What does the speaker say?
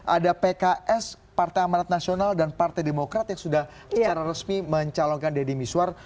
ada pks partai amanat nasional dan partai demokrat yang sudah secara resmi mencalonkan deddy miswar